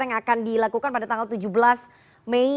yang akan dilakukan pada tanggal tujuh belas mei